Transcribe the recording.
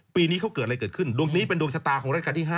ปีนี้เขาเกิดอะไรเกิดขึ้นดวงนี้เป็นดวงชะตาของราชการที่๕